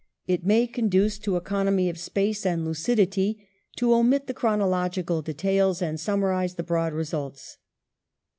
It may conduce to economy of space and to lucidity to omit the chronological details, and summarize the broad results.